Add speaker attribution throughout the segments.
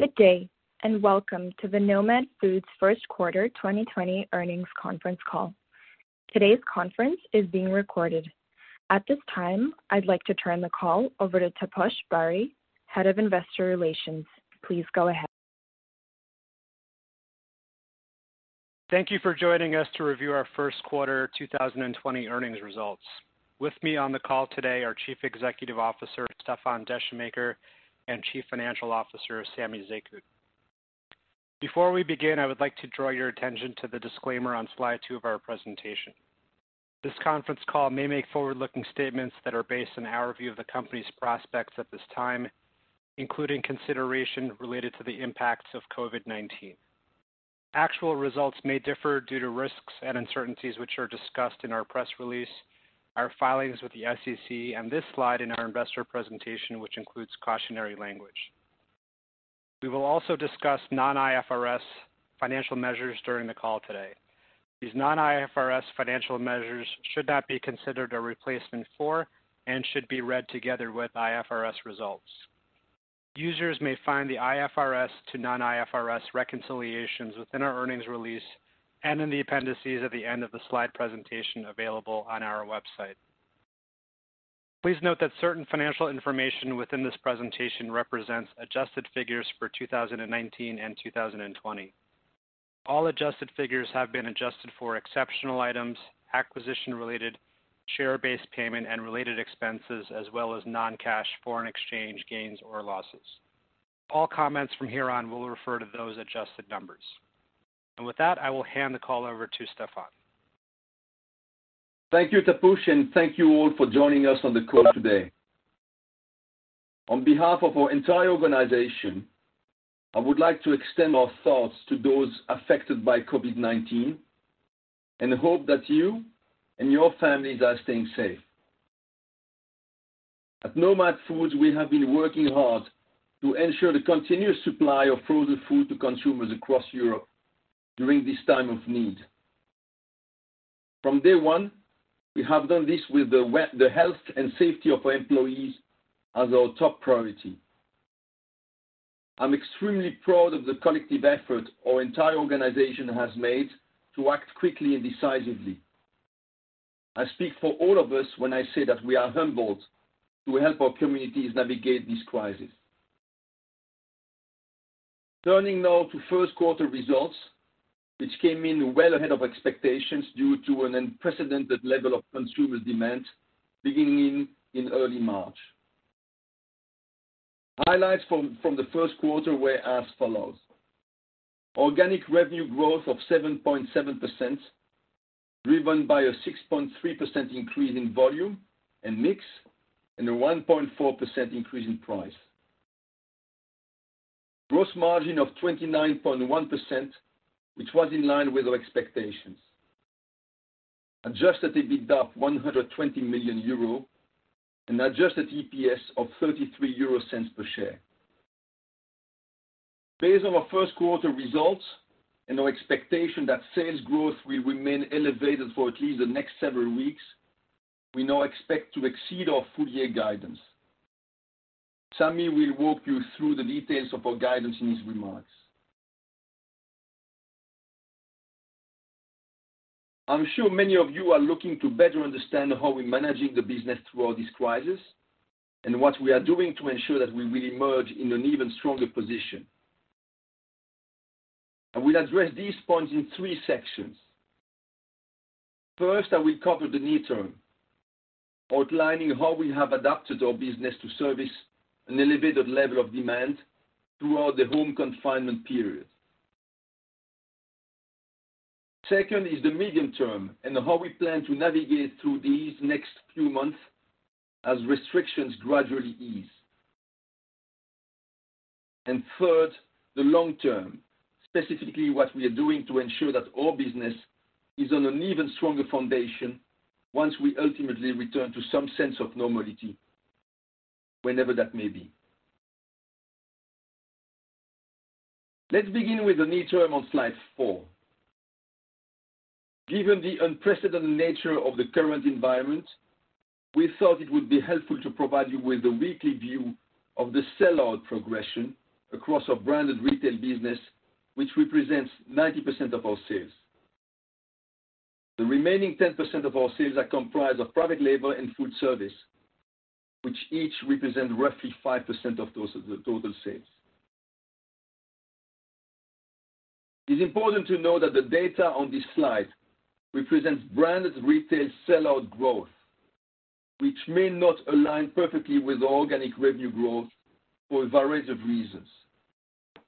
Speaker 1: Good day, and welcome to the Nomad Foods First Quarter 2020 Earnings Conference Call. Today's conference is being recorded. At this time, I'd like to turn the call over to Taposh Bari, Head of Investor Relations. Please go ahead.
Speaker 2: Thank you for joining us to review our first quarter 2020 earnings results. With me on the call today are Chief Executive Officer, Stéfan Descheemaeker, and Chief Financial Officer, Samy Zekhout. Before we begin, I would like to draw your attention to the disclaimer on slide two of our presentation. This conference call may make forward-looking statements that are based on our view of the company's prospects at this time, including consideration related to the impacts of COVID-19. Actual results may differ due to risks and uncertainties, which are discussed in our press release, our filings with the SEC, and this slide in our investor presentation, which includes cautionary language. We will also discuss non-IFRS financial measures during the call today. These non-IFRS financial measures should not be considered a replacement for, and should be read together with IFRS results. Users may find the IFRS to non-IFRS reconciliations within our earnings release and in the appendices at the end of the slide presentation available on our website. Please note that certain financial information within this presentation represents adjusted figures for 2019 and 2020. All adjusted figures have been adjusted for exceptional items, acquisition-related share-based payment and related expenses, as well as non-cash foreign exchange gains or losses. All comments from here on will refer to those adjusted numbers. With that, I will hand the call over to Stéfan Descheemaeker.
Speaker 3: Thank you, Taposh. Thank you all for joining us on the call today. On behalf of our entire organization, I would like to extend our thoughts to those affected by COVID-19 and hope that you and your families are staying safe. At Nomad Foods, we have been working hard to ensure the continuous supply of frozen food to consumers across Europe during this time of need. From day one, we have done this with the health and safety of our employees as our top priority. I'm extremely proud of the collective effort our entire organization has made to act quickly and decisively. I speak for all of us when I say that we are humbled to help our communities navigate this crisis. Turning now to first quarter results, which came in well ahead of expectations due to an unprecedented level of consumer demand beginning in early March. Highlights from the first quarter were as follows: Organic revenue growth of 7.7%, driven by a 6.3% increase in volume and mix, and a 1.4% increase in price. Gross margin of 29.1%, which was in line with our expectations. Adjusted EBITDA of 120 million euro, and adjusted EPS of 0.33 per share. Based on our first quarter results and our expectation that sales growth will remain elevated for at least the next several weeks, we now expect to exceed our full year guidance. Samy will walk you through the details of our guidance in his remarks. I'm sure many of you are looking to better understand how we're managing the business throughout this crisis, and what we are doing to ensure that we will emerge in an even stronger position. I will address these points in three sections. First, I will cover the near term, outlining how we have adapted our business to service an elevated level of demand throughout the home confinement period. Second is the medium term, and how we plan to navigate through these next few months as restrictions gradually ease. Third, the long term, specifically what we are doing to ensure that our business is on an even stronger foundation once we ultimately return to some sense of normality, whenever that may be. Let's begin with the near term on slide four. Given the unprecedented nature of the current environment, we thought it would be helpful to provide you with a weekly view of the sellout progression across our branded retail business, which represents 90% of our sales. The remaining 10% of our sales are comprised of private label and food service, which each represent roughly 5% of the total sales. It's important to know that the data on this slide represents branded retail sellout growth, which may not align perfectly with organic revenue growth for a variety of reasons.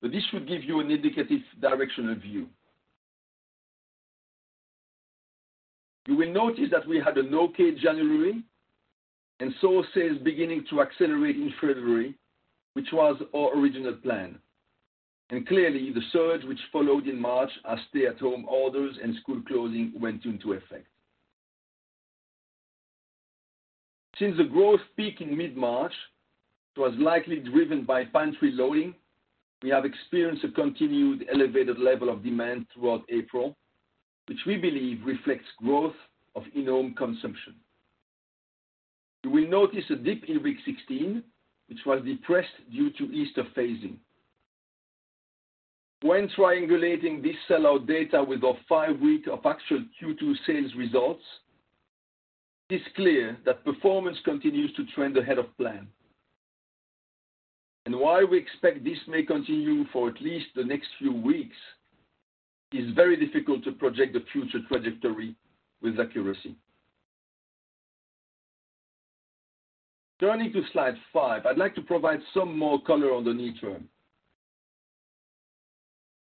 Speaker 3: This should give you an indicative directional view. You will notice that we had an okay January, and saw sales beginning to accelerate in February, which was our original plan. Clearly, the surge which followed in March as stay-at-home orders and school closing went into effect. Since the growth peak in mid-March was likely driven by pantry loading, we have experienced a continued elevated level of demand throughout April, which we believe reflects growth of in-home consumption. You will notice a dip in week 16, which was depressed due to Easter phasing. When triangulating this sellout data with our five week of actual Q2 sales results, it is clear that performance continues to trend ahead of plan. While we expect this may continue for at least the next few weeks, it is very difficult to project the future trajectory with accuracy. Turning to slide five, I'd like to provide some more color on the near term.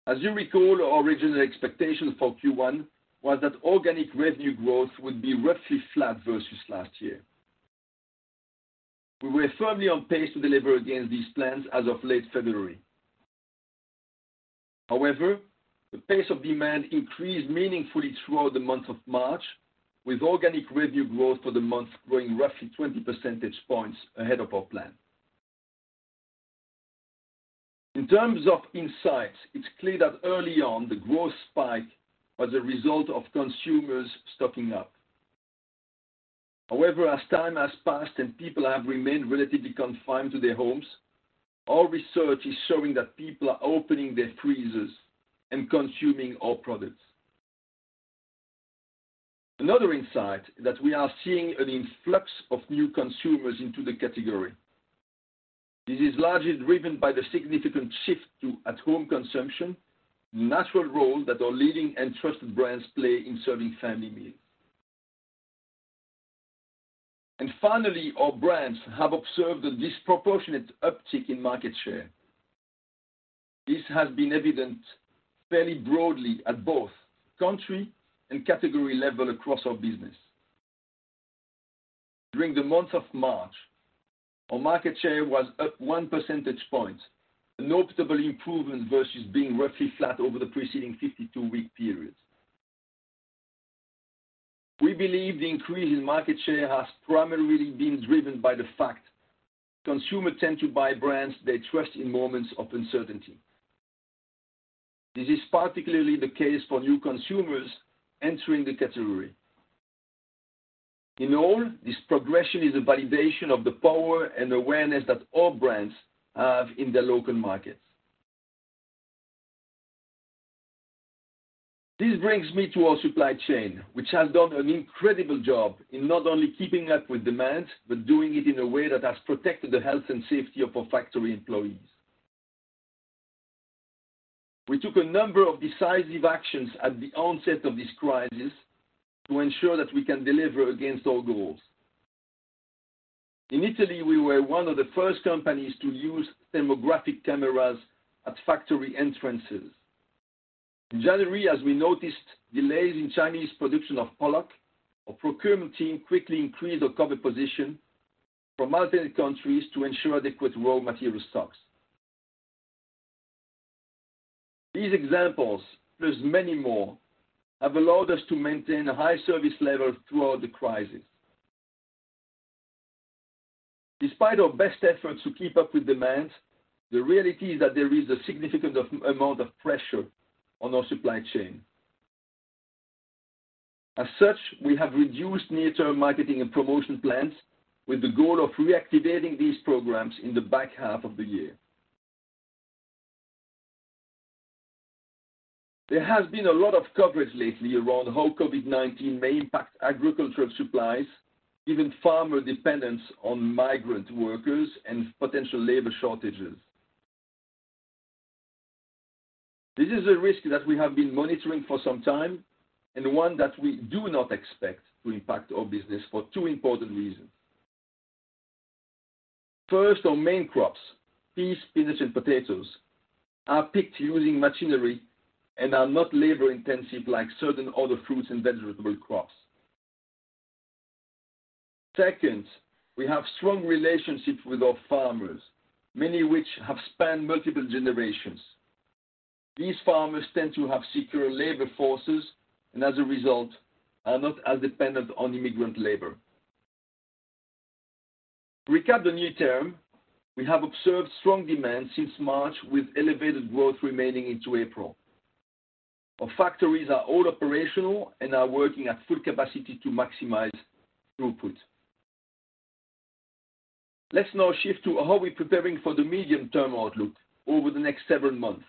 Speaker 3: As you recall, our original expectation for Q1 was that organic revenue growth would be roughly flat versus last year. We were firmly on pace to deliver against these plans as of late February. However, the pace of demand increased meaningfully throughout the month of March, with organic revenue growth for the month growing roughly 20 percentage points ahead of our plan. In terms of insights, it is clear that early on the growth spike was a result of consumers stocking up. However, as time has passed and people have remained relatively confined to their homes, our research is showing that people are opening their freezers and consuming our products. Another insight that we are seeing an influx of new consumers into the category. This is largely driven by the significant shift to at home consumption, the natural role that our leading and trusted brands play in serving family meals. Finally, our brands have observed a disproportionate uptick in market share. This has been evident fairly broadly at both country and category level across our business. During the month of March, our market share was up 1 percentage point, a notable improvement versus being roughly flat over the preceding 52-week periods. We believe the increase in market share has primarily been driven by the fact consumers tend to buy brands they trust in moments of uncertainty. This is particularly the case for new consumers entering the category. In all, this progression is a validation of the power and awareness that all brands have in their local markets. This brings me to our supply chain, which has done an incredible job in not only keeping up with demand, but doing it in a way that has protected the health and safety of our factory employees. We took a number of decisive actions at the onset of this crisis to ensure that we can deliver against our goals. In Italy, we were one of the first companies to use thermographic cameras at factory entrances. In January, as we noticed delays in Chinese production of pollock, our procurement team quickly increased our cover position from alternate countries to ensure adequate raw material stocks. These examples, plus many more, have allowed us to maintain a high service level throughout the crisis. Despite our best efforts to keep up with demand, the reality is that there is a significant amount of pressure on our supply chain. As such, we have reduced near-term marketing and promotion plans with the goal of reactivating these programs in the back half of the year. There has been a lot of coverage lately around how COVID-19 may impact agricultural supplies, given farmer dependence on migrant workers and potential labor shortages. This is a risk that we have been monitoring for some time and one that we do not expect to impact our business for two important reasons. First, our main crops, peas, spinach, and potatoes, are picked using machinery and are not labor intensive like certain other fruits and vegetable crops. Second, we have strong relationships with our farmers, many which have spanned multiple generations. These farmers tend to have secure labor forces, and as a result, are not as dependent on immigrant labor. To recap the near term, we have observed strong demand since March with elevated growth remaining into April. Our factories are all operational and are working at full capacity to maximize throughput. Let's now shift to how we're preparing for the medium term outlook over the next several months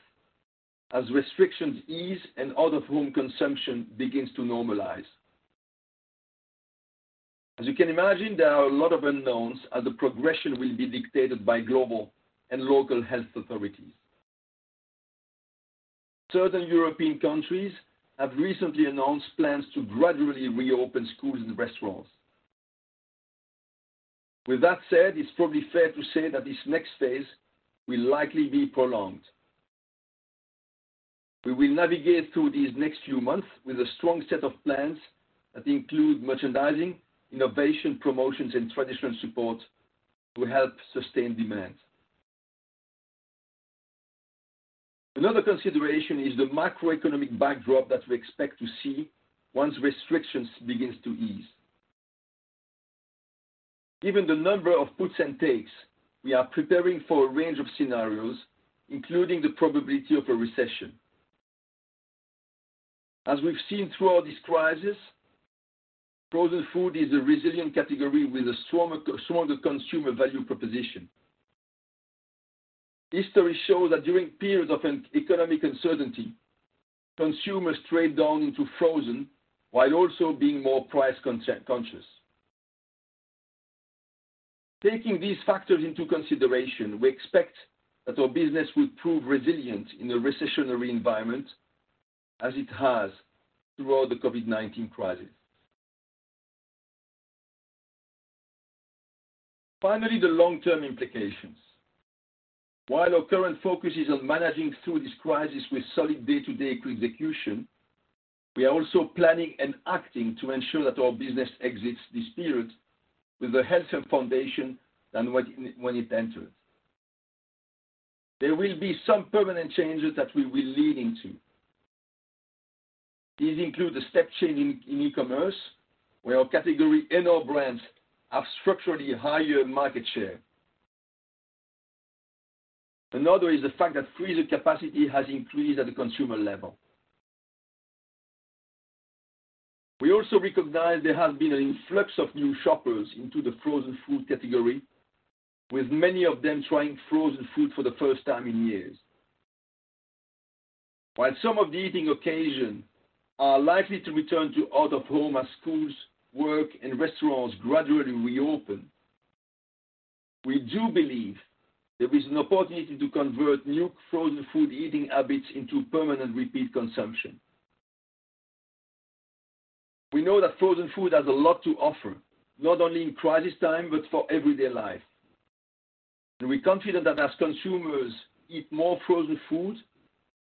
Speaker 3: as restrictions ease and out of home consumption begins to normalize. As you can imagine, there are a lot of unknowns as the progression will be dictated by global and local health authorities. Certain European countries have recently announced plans to gradually reopen schools and restaurants. With that said, it's probably fair to say that this next phase will likely be prolonged. We will navigate through these next few months with a strong set of plans that include merchandising, innovation, promotions, and traditional support to help sustain demand. Another consideration is the macroeconomic backdrop that we expect to see once restrictions begins to ease. Given the number of puts and takes, we are preparing for a range of scenarios, including the probability of a recession. As we've seen throughout this crisis, frozen food is a resilient category with a stronger consumer value proposition. History shows that during periods of economic uncertainty, consumers trade down to frozen, while also being more price conscious. Taking these factors into consideration, we expect that our business will prove resilient in a recessionary environment as it has throughout the COVID-19 crisis. Finally, the long-term implications. While our current focus is on managing through this crisis with solid day-to-day execution, we are also planning and acting to ensure that our business exits this period with a healthier foundation than when it entered. There will be some permanent changes that we will be leading to. These include the step change in e-commerce, where our category and our brands have structurally higher market share. Another is the fact that freezer capacity has increased at the consumer level. We also recognize there has been an influx of new shoppers into the frozen food category, with many of them trying frozen food for the first time in years. While some of the eating occasions are likely to return to out-of-home as schools, work, and restaurants gradually reopen, we do believe there is an opportunity to convert new frozen food eating habits into permanent repeat consumption. We know that frozen food has a lot to offer, not only in crisis time, but for everyday life, and we're confident that as consumers eat more frozen food,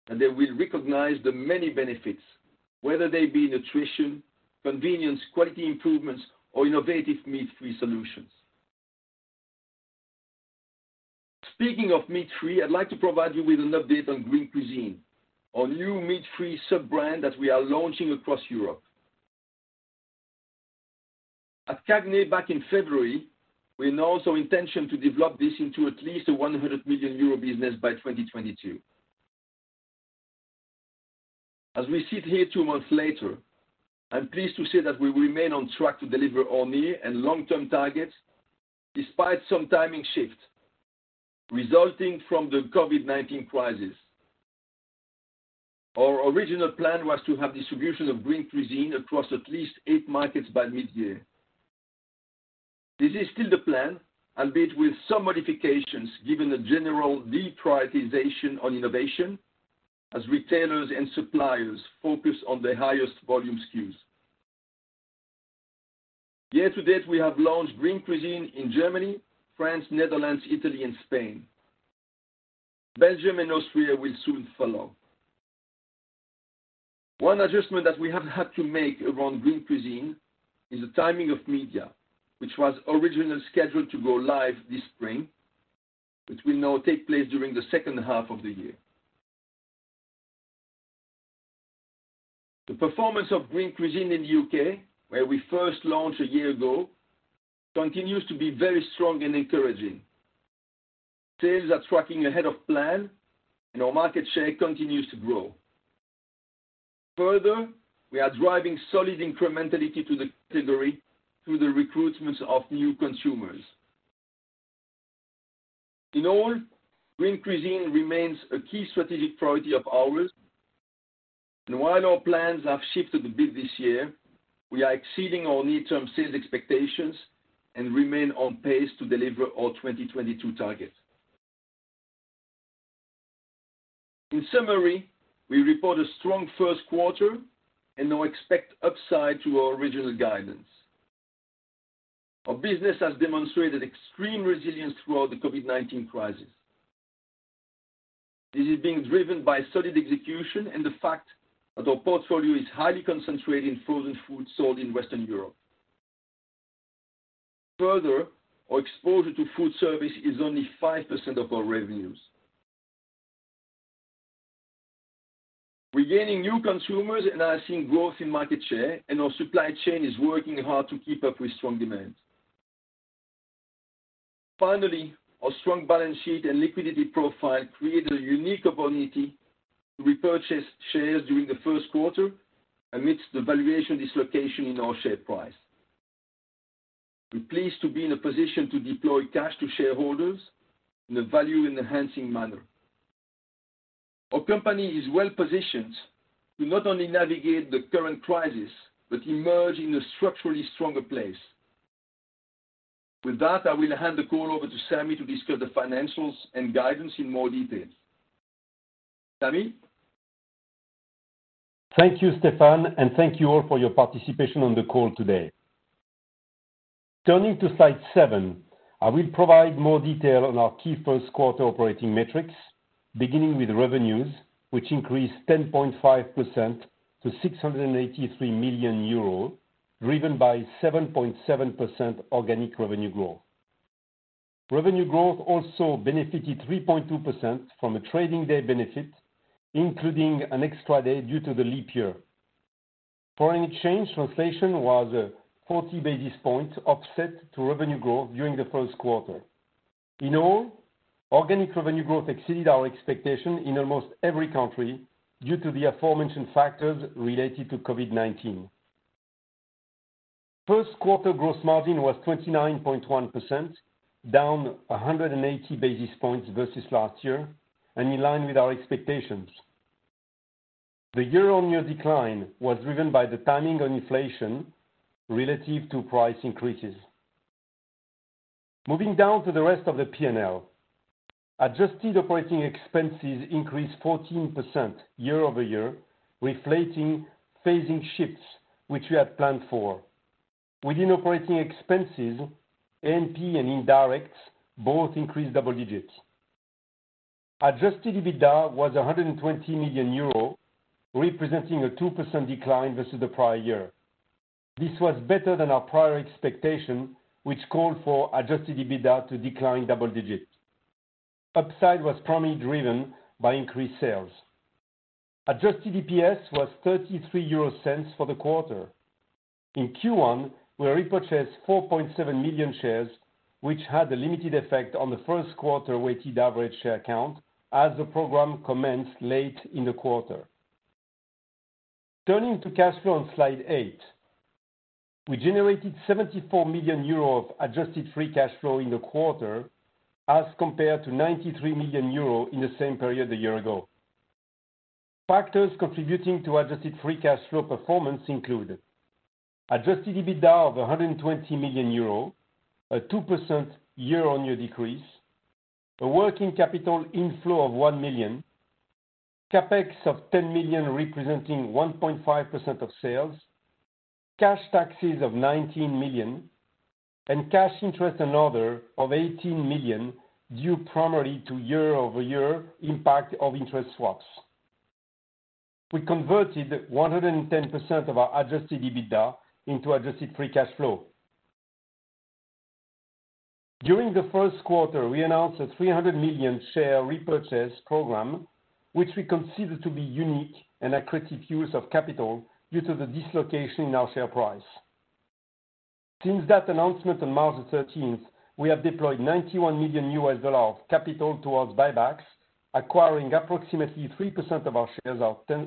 Speaker 3: they will recognize the many benefits, whether they be nutrition, convenience, quality improvements, or innovative meat-free solutions. Speaking of meat-free, I would like to provide you with an update on Green Cuisine, our new meat-free sub-brand that we are launching across Europe. At CAGNY back in February, we announced our intention to develop this into at least a 100 million euro business by 2022. As we sit here two months later, I am pleased to say that we remain on track to deliver our near and long-term targets despite some timing shifts resulting from the COVID-19 crisis. Our original plan was to have distribution of Green Cuisine across at least eight markets by mid-year. This is still the plan, albeit with some modifications given the general deprioritization on innovation as retailers and suppliers focus on their highest volume stock keeping units. Year-to-date, we have launched Green Cuisine in Germany, France, Netherlands, Italy, and Spain. Belgium and Austria will soon follow. One adjustment that we have had to make around Green Cuisine is the timing of media, which was originally scheduled to go live this spring, which will now take place during the second half of the year. The performance of Green Cuisine in the U.K., where we first launched a year ago, continues to be very strong and encouraging. Sales are tracking ahead of plan, our market share continues to grow. Further, we are driving solid incrementality to the category through the recruitment of new consumers. In all, Green Cuisine remains a key strategic priority of ours. While our plans have shifted a bit this year, we are exceeding our near-term sales expectations and remain on pace to deliver our 2022 targets. In summary, we report a strong first quarter and now expect upside to our original guidance. Our business has demonstrated extreme resilience throughout the COVID-19 crisis. This is being driven by solid execution and the fact that our portfolio is highly concentrated in frozen food sold in Western Europe. Further, our exposure to food service is only 5% of our revenues. We're gaining new consumers and are seeing growth in market share, and our supply chain is working hard to keep up with strong demand. Finally, our strong balance sheet and liquidity profile created a unique opportunity to repurchase shares during the first quarter amidst the valuation dislocation in our share price. We're pleased to be in a position to deploy cash to shareholders in a value-enhancing manner. Our company is well positioned to not only navigate the current crisis but emerge in a structurally stronger place. With that, I will hand the call over to Samy Zekhout to discuss the financials and guidance in more detail. Samy?
Speaker 4: Thank you, Stéfan, and thank you all for your participation on the call today. Turning to slide seven, I will provide more detail on our key first quarter operating metrics, beginning with revenues, which increased 10.5% to 683 million euros, driven by 7.7% organic revenue growth. Revenue growth also benefited 3.2% from a trading day benefit, including an extra day due to the leap year. Foreign exchange translation was a 40 basis points offset to revenue growth during the first quarter. In all, organic revenue growth exceeded our expectation in almost every country due to the aforementioned factors related to COVID-19. First quarter gross margin was 29.1%, down 180 basis points versus last year and in line with our expectations. The year-on-year decline was driven by the timing on inflation relative to price increases. Moving down to the rest of the P&L. Adjusted operating expenses increased 14% year-over-year, reflecting phasing shifts which we had planned for. Within operating expenses, A&P and indirect both increased double digits. Adjusted EBITDA was 120 million euro, representing a 2% decline versus the prior year. This was better than our prior expectation, which called for adjusted EBITDA to decline double digits. Upside was primarily driven by increased sales. Adjusted EPS was 0.33 for the quarter. In Q1, we repurchased 4.7 million shares, which had a limited effect on the first quarter weighted average share count as the program commenced late in the quarter. Turning to cash flow on slide eight. We generated 74 million euro of adjusted free cash flow in the quarter as compared to 93 million euro in the same period a year ago. Factors contributing to adjusted free cash flow performance included: adjusted EBITDA of 120 million euro, a 2% year-on-year decrease, a working capital inflow of 1 million, CapEx of 10 million representing 1.5% of sales, cash taxes of 19 million, and cash interest and other of 18 million due primarily to year-over-year impact of interest swaps. We converted 110% of our adjusted EBITDA into adjusted free cash flow. During the first quarter, we announced a 300 million share repurchase program, which we consider to be unique and accretive use of capital due to the dislocation in our share price. Since that announcement on March 13th, we have deployed $91 million of capital towards buybacks, acquiring approximately 3% of our shares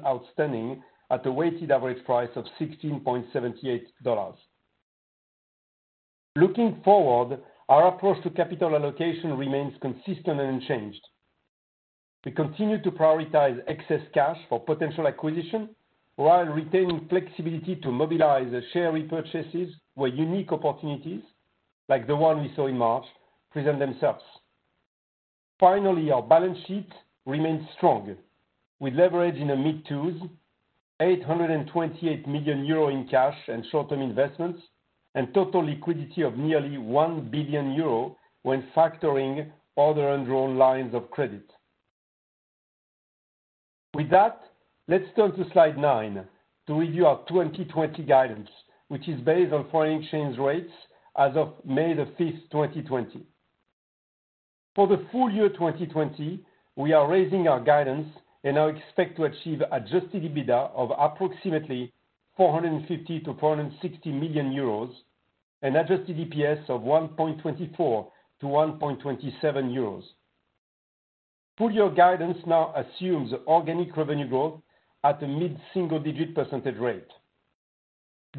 Speaker 4: outstanding at a weighted average price of $16.78. Looking forward, our approach to capital allocation remains consistent and unchanged. We continue to prioritize excess cash for potential acquisition while retaining flexibility to mobilize share repurchases where unique opportunities, like the one we saw in March, present themselves. Finally, our balance sheet remains strong, with leverage in the mid twos, 828 million euro in cash and short-term investments, and total liquidity of nearly 1 billion euro when factoring other undrawn lines of credit. With that, let's turn to slide nine to review our 2020 guidance, which is based on foreign exchange rates as of May 5th, 2020. For the full-year 2020, we are raising our guidance and now expect to achieve adjusted EBITDA of approximately 450 million-460 million euros and adjusted EPS of 1.24 euros-EUR1.27. Full-year guidance now assumes organic revenue growth at a mid-single-digit percentage rate.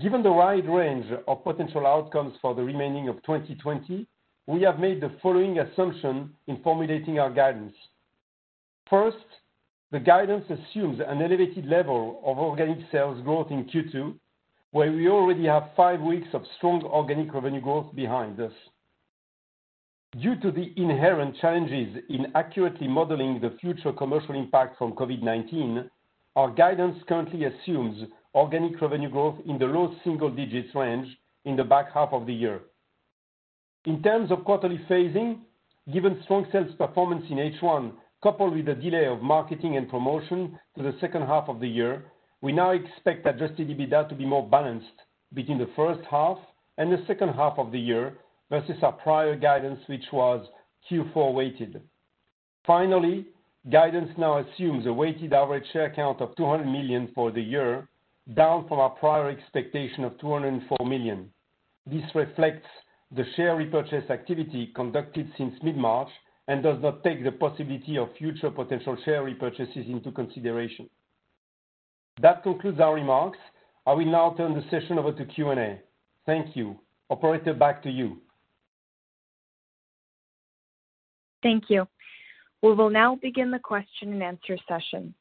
Speaker 4: Given the wide range of potential outcomes for the remaining of 2020, we have made the following assumption in formulating our guidance. First, the guidance assumes an elevated level of organic sales growth in Q2, where we already have five weeks of strong organic revenue growth behind us. Due to the inherent challenges in accurately modeling the future commercial impact from COVID-19, our guidance currently assumes organic revenue growth in the low single digits range in the back half of the year. In terms of quarterly phasing, given strong sales performance in H1 coupled with the delay of marketing and promotion to the second half of the year, we now expect adjusted EBITDA to be more balanced between the first half and the second half of the year versus our prior guidance, which was Q4 weighted. Finally, guidance now assumes a weighted average share count of 200 million for the year, down from our prior expectation of 204 million. This reflects the share repurchase activity conducted since mid-March and does not take the possibility of future potential share repurchases into consideration. That concludes our remarks. I will now turn the session over to Q&A. Thank you. Operator, back to you.
Speaker 1: Thank you. We will now begin the question and answer session.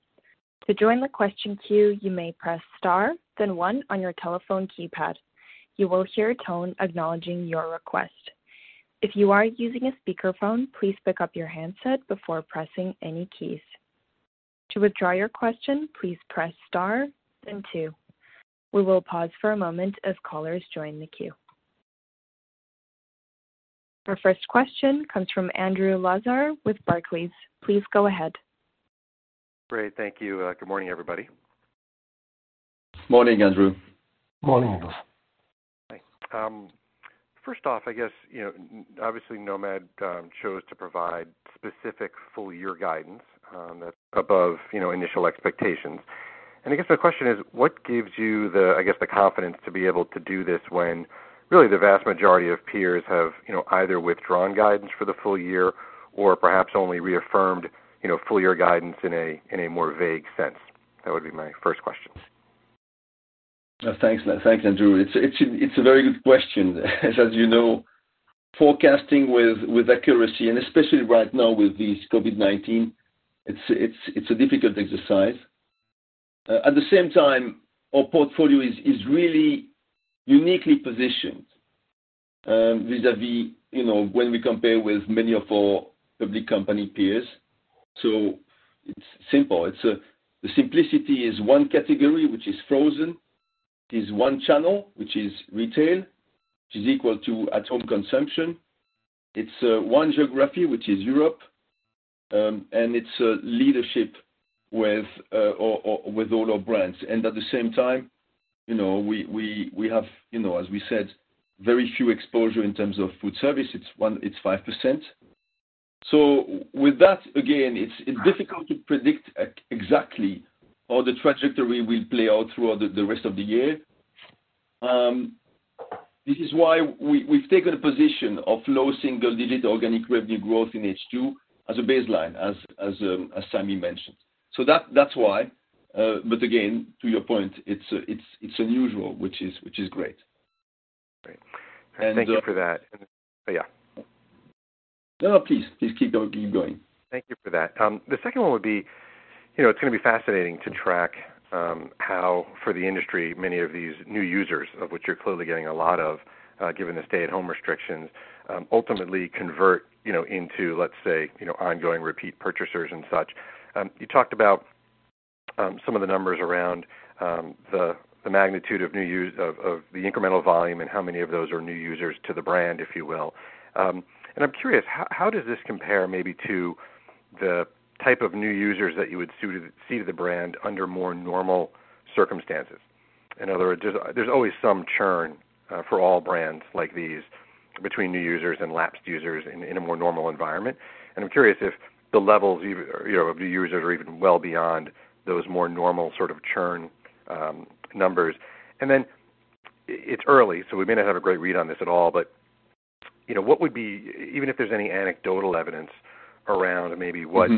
Speaker 1: To join the question queue, you may press star then one on your telephone keypad. You will hear a tone acknowledging your request. If you are using a speakerphone, please pick up your handset before pressing any keys. To withdraw your question, please press star then two. We will pause for a moment as callers join the queue. Our first question comes from Andrew Lazar with Barclays. Please go ahead.
Speaker 5: Great. Thank you. Good morning, everybody.
Speaker 4: Morning, Andrew.
Speaker 3: Morning, Andrew.
Speaker 5: First off, I guess, obviously Nomad chose to provide specific full year guidance that's above initial expectations. I guess my question is what gives you the confidence to be able to do this when really the vast majority of peers have either withdrawn guidance for the full year or perhaps only reaffirmed full year guidance in a more vague sense? That would be my first question.
Speaker 3: Thanks, Andrew. It's a very good question. As you know, forecasting with accuracy, and especially right now with this COVID-19, it's a difficult exercise. At the same time, our portfolio is really uniquely positioned vis-a-vis when we compare with many of our public company peers. It's simple. The simplicity is one category, which is frozen. It's one channel, which is retail, which is equal to at-home consumption. It's one geography, which is Europe. It's leadership with all our brands. At the same time, we have, as we said, very few exposure in terms of food service. It's 5%. With that, again, it's difficult to predict exactly how the trajectory will play out throughout the rest of the year. This is why we've taken a position of low single-digit organic revenue growth in H2 as a baseline, as Samy mentioned. That's why, but again, to your point, it's unusual, which is great.
Speaker 5: Great. Thank you for that. Yeah.
Speaker 3: No, please. Please keep going.
Speaker 5: Thank you for that. The second one would be, it's going to be fascinating to track how, for the industry, many of these new users, of which you're clearly getting a lot of, given the stay-at-home restrictions, ultimately convert into, let's say, ongoing repeat purchasers and such. You talked about some of the numbers around the magnitude of the incremental volume and how many of those are new users to the brand, if you will. I'm curious, how does this compare maybe to the type of new users that you would see to the brand under more normal circumstances? In other words, there's always some churn for all brands like these between new users and lapsed users in a more normal environment. I'm curious if the levels of new users are even well beyond those more normal sort of churn numbers. It's early, so we may not have a great read on this at all, but what would be, even if there's any anecdotal evidence around maybe what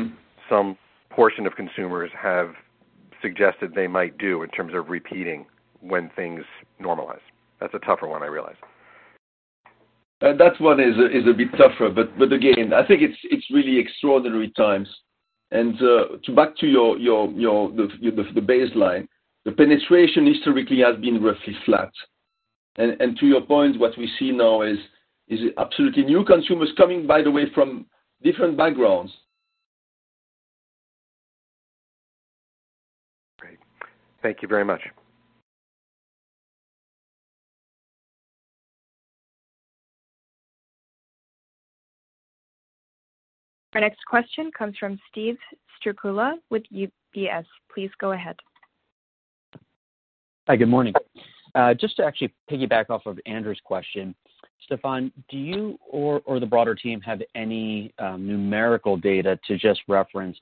Speaker 5: some portion of consumers have suggested they might do in terms of repeating when things normalize? That's a tougher one, I realize.
Speaker 3: That one is a bit tougher, but again, I think it's really extraordinary times. Back to the baseline, the penetration historically has been roughly flat. To your point, what we see now is absolutely new consumers coming, by the way, from different backgrounds.
Speaker 5: Great. Thank you very much.
Speaker 1: Our next question comes from Steve Strycula with UBS. Please go ahead.
Speaker 6: Hi, good morning. Just to actually piggyback off of Andrew's question, Stéfan, do you or the broader team have any numerical data to just reference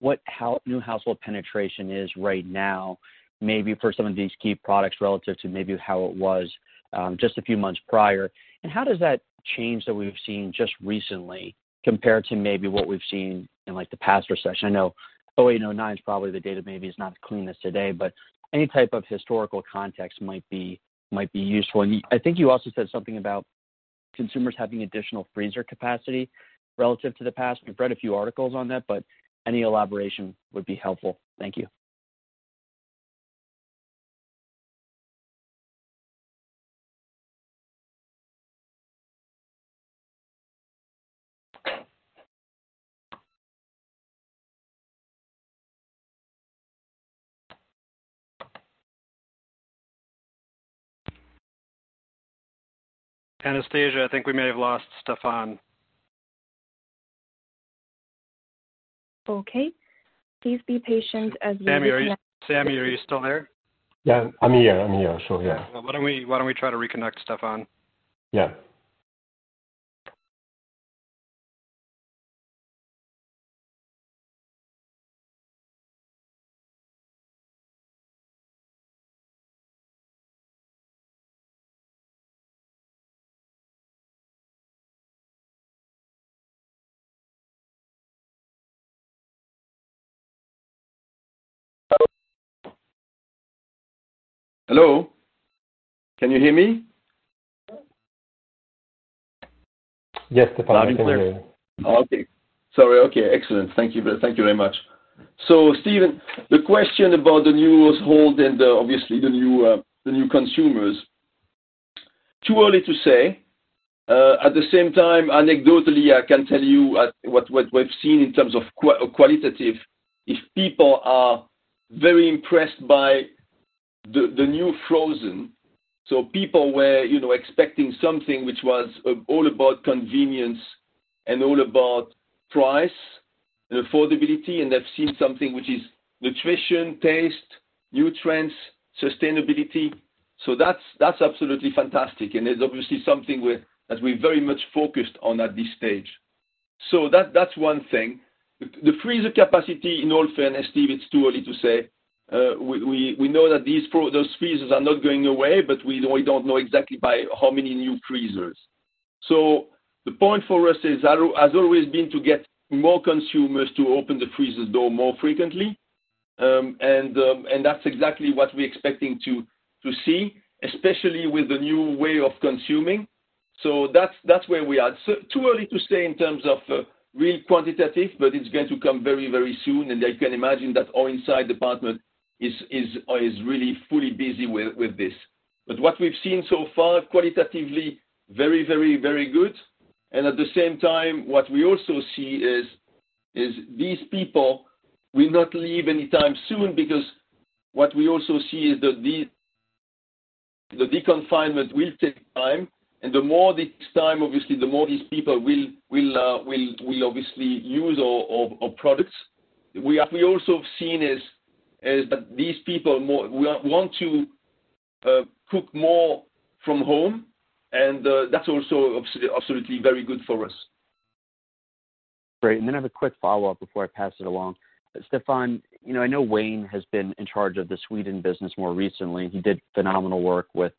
Speaker 6: what new household penetration is right now, maybe for some of these key products relative to maybe how it was just a few months prior? How does that change that we've seen just recently compare to maybe what we've seen in the past recession? I know 2008 and 2009 is probably the data maybe is not as clean as today, any type of historical context might be useful. I think you also said something about consumers having additional freezer capacity relative to the past. We've read a few articles on that, any elaboration would be helpful. Thank you.
Speaker 2: Anastasia, I think we may have lost Stéfan.
Speaker 1: Okay. Please be patient.
Speaker 2: Samy, are you still there?
Speaker 4: Yeah, I'm here. I'm here. Sure, yeah.
Speaker 2: Why don't we try to reconnect Stéfan?
Speaker 4: Yeah.
Speaker 3: Hello? Can you hear me?
Speaker 2: Yes, Stéfan, we can hear you.
Speaker 3: Okay. Sorry. Okay, excellent. Thank you very much. Steve, the question about the new household and obviously the new consumers. Too early to say. At the same time, anecdotally, I can tell you what we've seen in terms of qualitative, is people are very impressed by the new frozen. People were expecting something which was all about convenience and all about price and affordability, and they've seen something which is nutrition, taste, nutrients, sustainability. That's absolutely fantastic, and is obviously something that we're very much focused on at this stage. That's one thing. The freezer capacity in [Reken], Steve, it's too early to say. We know that those freezers are not going away, but we don't know exactly by how many new freezers. The point for us has always been to get more consumers to open the freezer door more frequently, and that's exactly what we're expecting to see, especially with the new way of consuming. That's where we are. Too early to say in terms of real quantitative, but it's going to come very, very soon, and you can imagine that our Insights department is really fully busy with this. What we've seen so far, qualitatively, very good. At the same time, what we also see is these people will not leave anytime soon, because what we also see is the confinement will take time, and the more this time, obviously, the more these people will obviously use our products. What we also have seen is that these people want to cook more from home, and that's also absolutely very good for us.
Speaker 6: Great. I have a quick follow-up before I pass it along. Stéfan, I know Wayne has been in charge of the Sweden business more recently, and he did phenomenal work with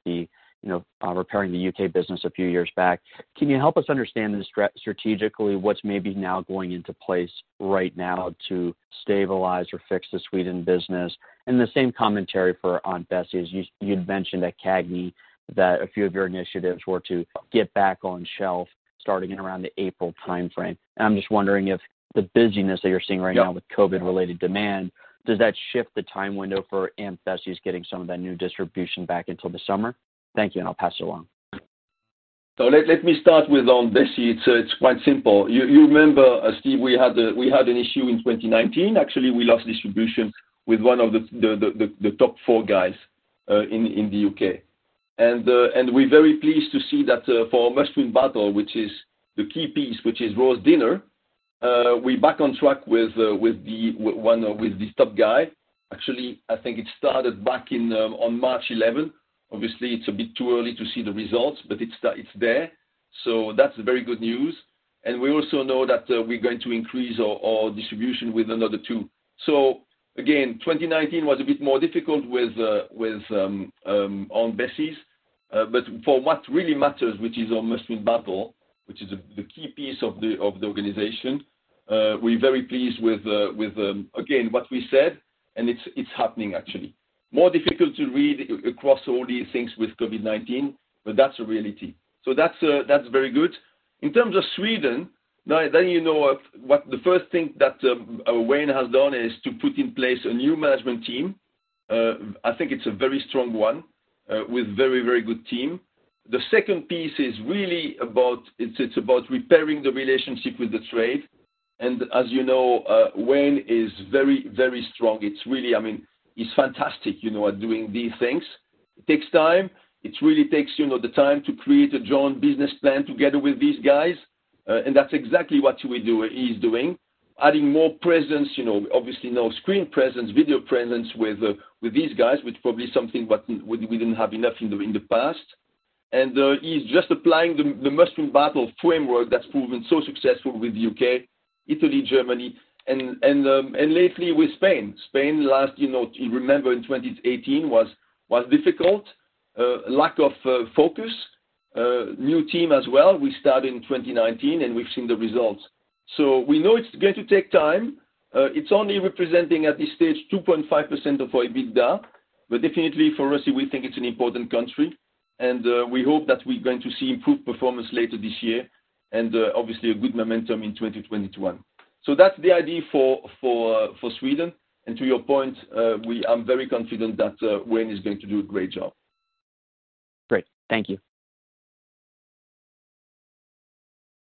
Speaker 6: repairing the U.K. business a few years back. Can you help us understand strategically what's maybe now going into place right now to stabilize or fix the Sweden business? The same commentary for Aunt Bessie's. You'd mentioned at CAGNY that a few of your initiatives were to get back on shelf starting in around the April timeframe. I'm just wondering if the busyness that you're seeing right now with COVID-related demand, does that shift the time window for Aunt Bessie's getting some of that new distribution back until the summer? Thank you. I'll pass it along.
Speaker 3: Let me start with Aunt Bessie's. It's quite simple. You remember, Steve, we had an issue in 2019. Actually, we lost distribution with one of the top four guys in the U.K. We're very pleased to see that for our mushroom bundle, which is the key piece, which is roast dinner, we're back on track with this top guy. Actually, I think it started back on March 11th. Obviously, it's a bit too early to see the results, but it's there. That's very good news. We also know that we're going to increase our distribution with another two. Again, 2019 was a bit more difficult with Aunt Bessie's. For what really matters, which is our must-win bundle, which is the key piece of the organization, we're very pleased with, again, what we said, and it's happening actually. More difficult to read across all these things with COVID-19, but that's the reality. That's very good. In terms of Sweden, you know what the first thing that Wayne has done is to put in place a new management team. I think it's a very strong one, with very good team. The second piece it's about repairing the relationship with the trade. As you know, Wayne is very strong. He's fantastic at doing these things. It takes time. It really takes the time to create a joint business plan together with these guys. That's exactly what he's doing. Adding more presence, obviously now screen presence, video presence with these guys, which probably is something we didn't have enough in the past. He's just applying the mushroom bundle framework that's proven so successful with the U.K., Italy, Germany, and lately with Spain. Spain, last year, remember in 2018 was difficult. Lack of focus. New team as well. We start in 2019, and we've seen the results. We know it's going to take time. It's only representing, at this stage, 2.5% of our EBITDA. Definitely for us, we think it's an important country, and we hope that we're going to see improved performance later this year, and obviously a good momentum in 2021. That's the idea for Sweden. To your point, I'm very confident that Wayne is going to do a great job.
Speaker 6: Great. Thank you.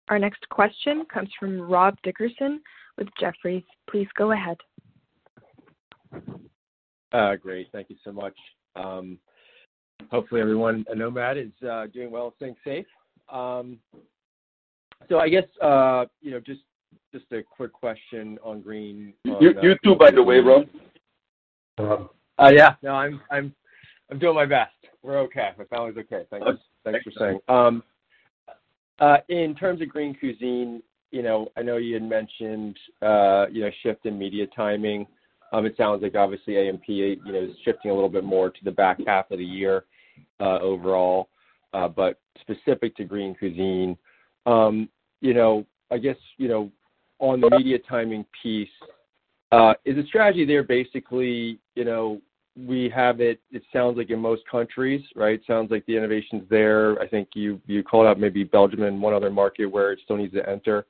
Speaker 1: Our next question comes from Rob Dickerson with Jefferies. Please go ahead.
Speaker 7: Great. Thank you so much. Hopefully everyone at Nomad is doing well and staying safe. I guess just a quick question on Green. Free
Speaker 3: You too, by the way, Rob.
Speaker 7: Yeah, no, I'm doing my best. We're okay. My family's okay. Thanks for saying. In terms of Green Cuisine, I know you had mentioned shift in media timing. It sounds like obviously A&P is shifting a little bit more to the back half of the year overall. Specific to Green Cuisine, I guess on the media timing piece, is the strategy there basically, we have it sounds like in most countries, right? It sounds like the innovation's there. I think you called out maybe Belgium and one other market where it still needs to enter.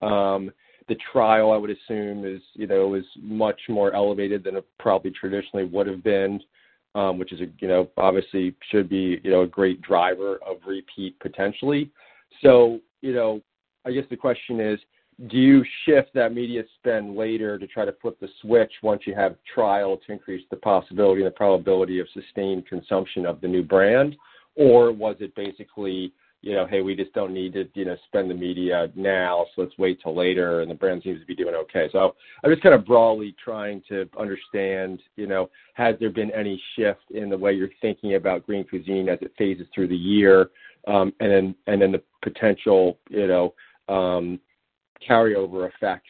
Speaker 7: The trial, I would assume is much more elevated than it probably traditionally would have been, which obviously should be a great driver of repeat, potentially. You know, I guess the question is: do you shift that media spend later to try to flip the switch once you have trial to increase the possibility and the probability of sustained consumption of the new brand? Was it basically, hey, we just don't need to spend the media now, so let's wait till later, and the brand seems to be doing okay? I'm just kind of broadly trying to understand, has there been any shift in the way you're thinking about Green Cuisine as it phases through the year, and then the potential carryover effects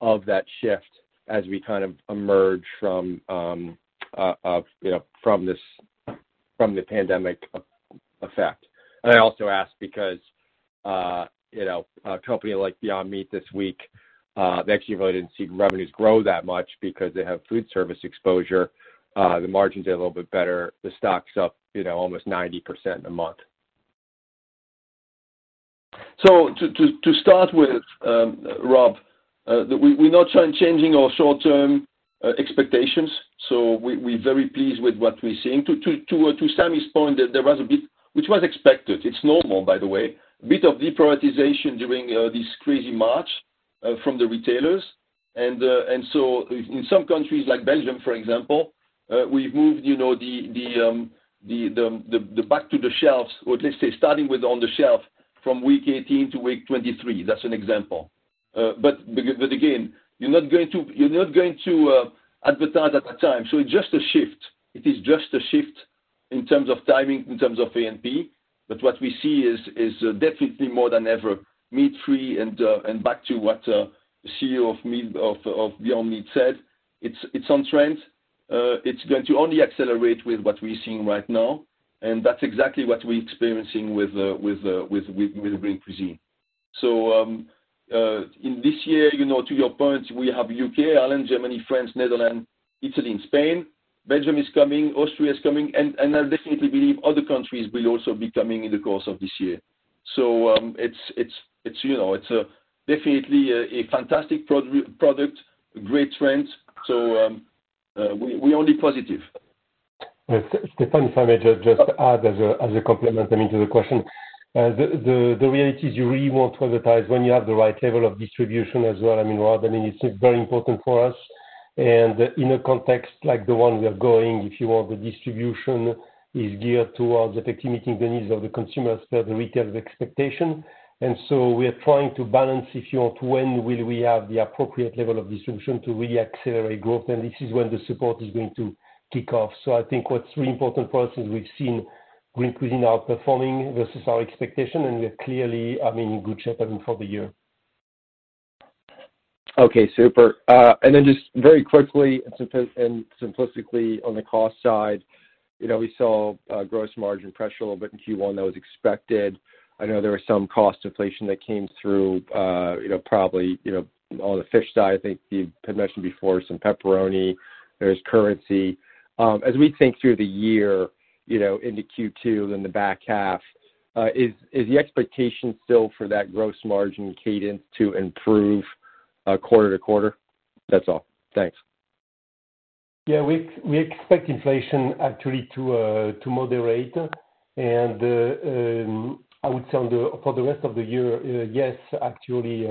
Speaker 7: of that shift as we kind of emerge from the pandemic effect. I also ask because a company like Beyond Meat this week, they actually really didn't see revenues grow that much because they have food service exposure. The margins are a little bit better. The stock's up almost 90% in a month.
Speaker 3: To start with, Rob, we're not changing our short-term expectations. We're very pleased with what we're seeing. To Samy's point, there was a bit, which was expected, it's normal by the way, a bit of deprioritization during this crazy March from the retailers. In some countries, like Belgium, for example, we've moved the back to the shelves, or let's say starting with on the shelf from week 18 to week 23. That's an example. Again, you're not going to advertise at that time. It's just a shift. It is just a shift in terms of timing, in terms of A&P, but what we see is definitely more than ever meat-free and back to what CEO of Beyond Meat said, it's on trend. It's going to only accelerate with what we're seeing right now, and that's exactly what we're experiencing with Green Cuisine. In this year, to your point, we have U.K., Ireland, Germany, France, Netherlands, Italy, and Spain. Belgium is coming, Austria is coming, and I definitely believe other countries will also be coming in the course of this year. It's definitely a fantastic product, great trend. We're only positive.
Speaker 4: Stéfan, if I may just add as a complement then to the question. The reality is you really want to advertise when you have the right level of distribution as well, Rob. It's very important for us. In a context like the one we are going, if you want, the distribution is geared towards effectively meeting the needs of the consumer, serve the retailer's expectation. We are trying to balance, if you want, when will we have the appropriate level of distribution to really accelerate growth? This is when the support is going to kick off. I think what's really important for us is we've seen Green Cuisine outperforming versus our expectation, and we're clearly in good shape even for the year.
Speaker 7: Okay, super. Just very quickly and simplistically on the cost side, we saw gross margin pressure a little bit in Q1. That was expected. I know there was some cost inflation that came through, probably on the fish side, I think you had mentioned before some pepperoni. There is currency. As we think through the year, into Q2, then the back half, is the expectation still for that gross margin cadence to improve quarter to quarter? That's all. Thanks.
Speaker 4: Yeah, we expect inflation actually to moderate. I would say for the rest of the year, yes, actually,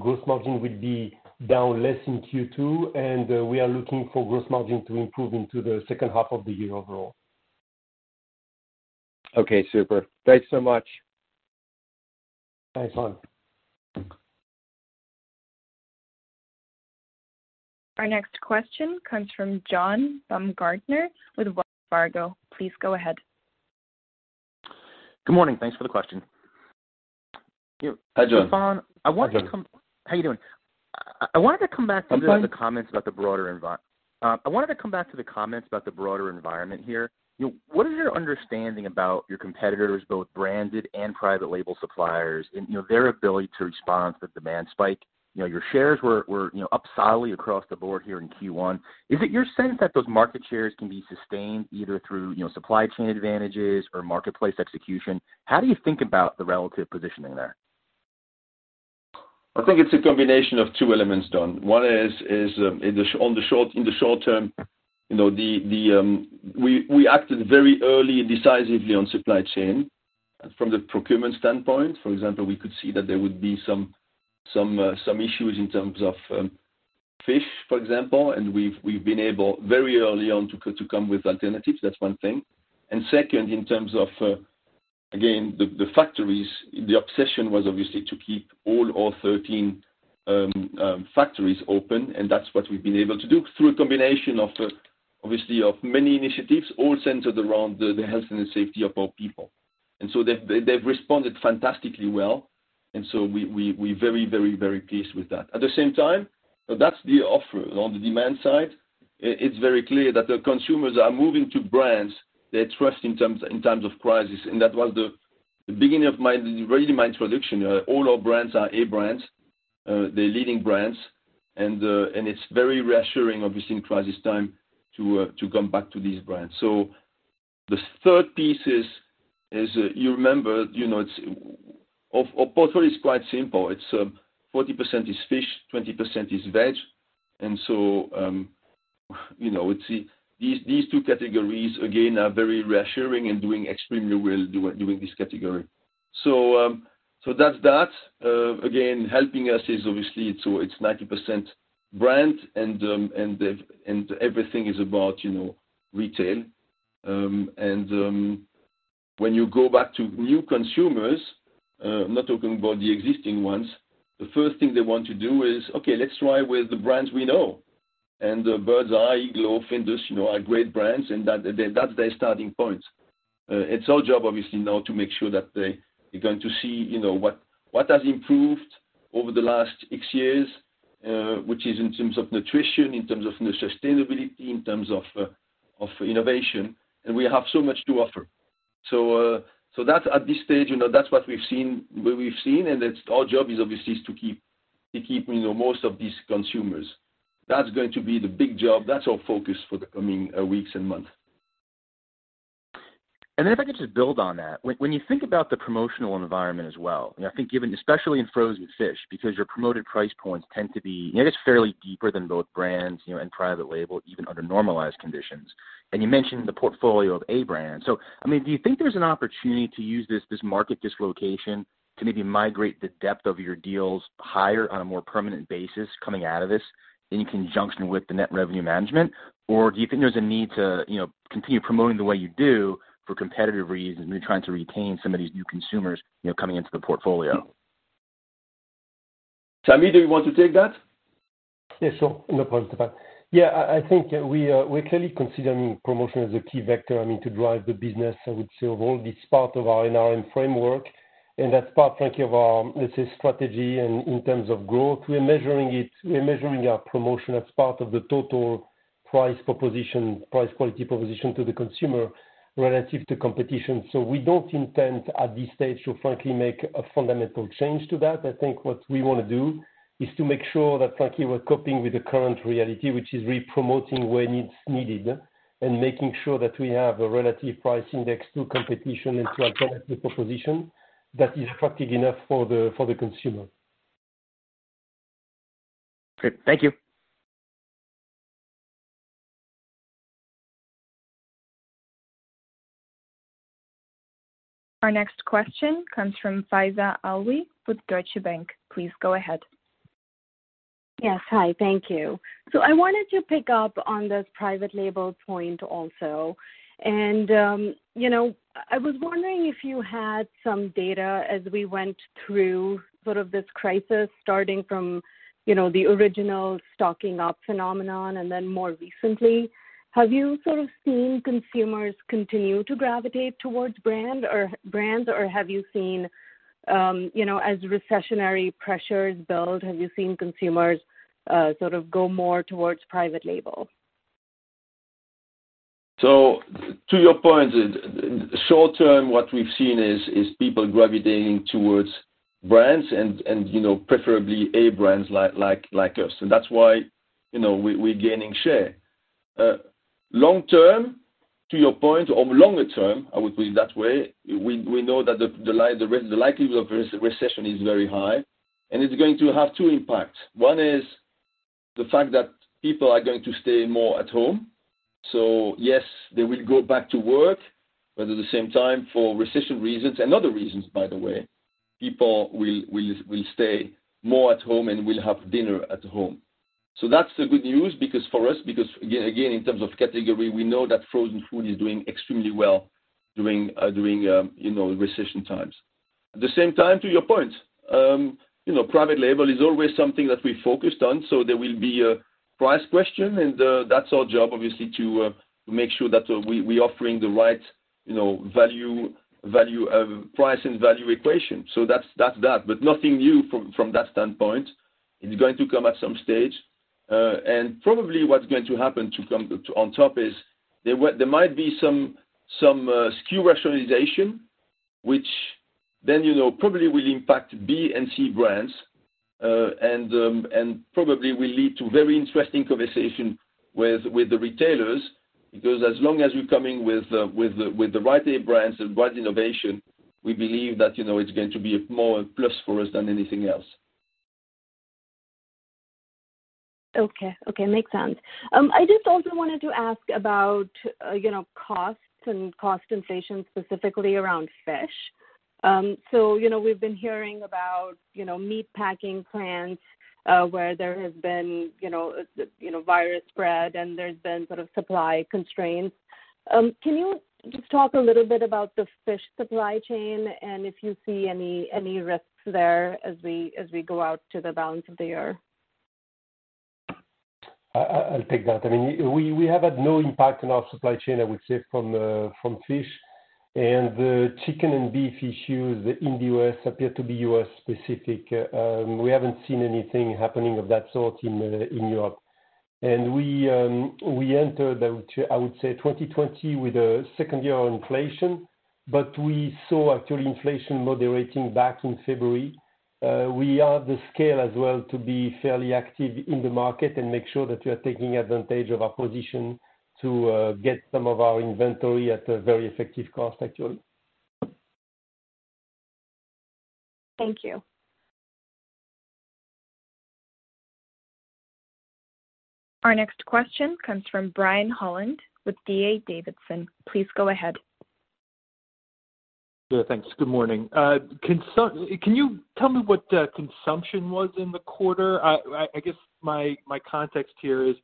Speaker 4: gross margin will be down less in Q2, and we are looking for gross margin to improve into the second half of the year overall.
Speaker 7: Okay, super. Thanks so much.
Speaker 4: Thanks, Rob.
Speaker 1: Our next question comes from John Baumgartner with Wells Fargo. Please go ahead.
Speaker 8: Good morning. Thanks for the question.
Speaker 3: Hi, John.
Speaker 8: Stéfan, How you doing?
Speaker 3: I'm fine.
Speaker 8: I want to come back to the comments about the broader environment here. What is your understanding about your competitors, both branded and private label suppliers, and their ability to respond to the demand spike? Your shares were up solidly across the board here in Q1. Is it your sense that those market shares can be sustained either through supply chain advantages or marketplace execution? How do you think about the relative positioning there?
Speaker 3: I think it's a combination of two elements, John. One is, in the short term, we acted very early and decisively on supply chain. From the procurement standpoint, for example, we could see that there would be some issues in terms of fish, for example, and we've been able very early on to come with alternatives. That's one thing. Second, in terms of, again, the factories, the obsession was obviously to keep all our 13 factories open, and that's what we've been able to do through a combination of obviously of many initiatives, all centered around the health and the safety of our people. They've responded fantastically well, and so we're very pleased with that. At the same time, that's the offer. On the demand side, it's very clear that the consumers are moving to brands they trust in terms of crisis, and that was the beginning of my introduction. All our brands are A brands. They're leading brands. It's very reassuring, obviously, in crisis time to come back to these brands. The third piece is, you remember, our portfolio is quite simple. 40% is fish, 20% is vegetables. These two categories, again, are very reassuring and doing extremely well during this category. That's that. Helping us is obviously, it's 90% brand and everything is about retail. When you go back to new consumers, I'm not talking about the existing ones, the first thing they want to do is, "Okay, let's try with the brands we know." Birds Eye, iglo, Findus, are great brands, and that's their starting point. It's our job, obviously now, to make sure that they are going to see what has improved over the last X years, which is in terms of nutrition, in terms of sustainability, in terms of innovation, and we have so much to offer. At this stage, that's what we've seen, and our job is obviously is to keep most of these consumers. That's going to be the big job. That's our focus for the coming weeks and months.
Speaker 8: If I could just build on that, when you think about the promotional environment as well, and I think especially in frozen fish, because your promoted price points tend to be, I guess, fairly deeper than both brands, and private label, even under normalized conditions. You mentioned the portfolio of A brand. Do you think there's an opportunity to use this market dislocation to maybe migrate the depth of your deals higher on a more permanent basis coming out of this in conjunction with the net revenue management? Do you think there's a need to continue promoting the way you do for competitive reasons when you're trying to retain some of these new consumers coming into the portfolio?
Speaker 3: Samy, do you want to take that?
Speaker 4: Yes, sure. No problem, Stéfan. Yeah, I think we're clearly considering promotion as a key vector to drive the business, I would say, of all this part of our net revenue management framework, and that's part, frankly, of our strategy and in terms of growth. We're measuring our promotion as part of the total price quality proposition to the consumer relative to competition. We don't intend at this stage to frankly make a fundamental change to that. I think what we want to do is to make sure that, frankly, we're coping with the current reality, which is really promoting where it's needed and making sure that we have a relative price index to competition and to our current proposition that is attractive enough for the consumer.
Speaker 8: Great. Thank you.
Speaker 1: Our next question comes from Faiza Alwy with Deutsche Bank. Please go ahead.
Speaker 9: Yes. Hi, thank you. I wanted to pick up on this private label point also. I was wondering if you had some data as we went through sort of this crisis, starting from the original stocking up phenomenon and then more recently. Have you sort of seen consumers continue to gravitate towards brands, or have you seen, as recessionary pressures build, have you seen consumers sort of go more towards private label?
Speaker 3: To your point, short term, what we've seen is people gravitating towards brands and preferably A brands like us, and that's why we're gaining share. Long term, to your point, or longer term, I would put it that way, we know that the likelihood of recession is very high, and it's going to have two impacts. One is the fact that people are going to stay more at home. Yes, they will go back to work, but at the same time, for recession reasons and other reasons, by the way, people will stay more at home and will have dinner at home. That's the good news for us, because again, in terms of category, we know that frozen food is doing extremely well during recession times. At the same time, to your point, private label is always something that we focused on. There will be a price question, and that's our job, obviously, to make sure that we're offering the right price and value equation. That's that, but nothing new from that standpoint. It's going to come at some stage. Probably what's going to happen to come on top is there might be some SKU rationalization, which then probably will impact B and C brands, and probably will lead to very interesting conversation with the retailers, because as long as we're coming with the right A brands and right innovation, we believe that it's going to be more a plus for us than anything else.
Speaker 9: Okay. Makes sense. I just also wanted to ask about costs and cost inflation, specifically around fish. We've been hearing about meat packing plants, where there has been virus spread, and there's been sort of supply constraints. Can you just talk a little bit about the fish supply chain and if you see any risks there as we go out to the balance of the year?
Speaker 4: I'll take that. We have had no impact on our supply chain, I would say from fish. The chicken and beef issues in the U.S. appear to be U.S. specific. We haven't seen anything happening of that sort in Europe. We entered, I would say 2020 with a second year on inflation, but we saw actually inflation moderating back in February. We are the scale as well to be fairly active in the market and make sure that we are taking advantage of our position to get some of our inventory at a very effective cost, actually.
Speaker 1: Thank you. Our next question comes from Brian Holland with D.A. Davidson. Please go ahead.
Speaker 10: Yeah, thanks. Good morning. Can you tell me what consumption was in the quarter? I guess my context here is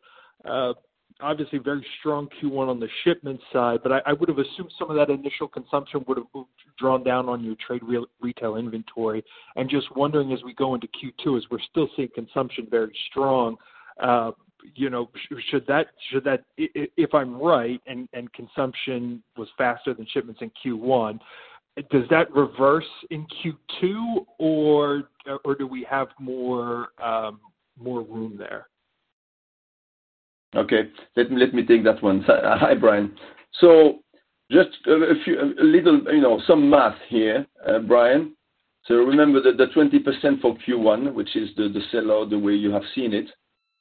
Speaker 10: obviously very strong Q1 on the shipment side, but I would've assumed some of that initial consumption would've drawn down on your trade retail inventory. I'm just wondering, as we go into Q2, as we're still seeing consumption very strong, if I'm right, and consumption was faster than shipments in Q1, does that reverse in Q2, or do we have more room there?
Speaker 3: Okay. Let me take that one. Hi, Brian. Just some math here, Brian. Remember that the 20% for Q1, which is the sellout, the way you have seen it,